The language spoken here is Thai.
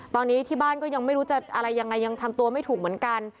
ตอนนี้ที่บ้านก็ยังไม่รู้จะอะไรยังไงยังทำตัวไม่ถูกเหมือนกัน